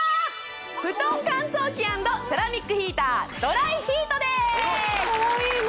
ふとん乾燥機＆セラミックヒータードライヒートですかわいい何？